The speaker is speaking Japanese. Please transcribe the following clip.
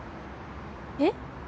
えっ？